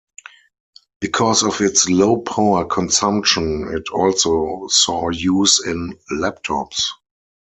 Because of its low power consumption, it also saw use in laptops.